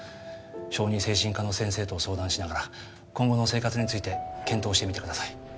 小児精神科の先生と相談しながら今後の生活について検討してみてください